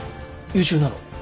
優秀なの？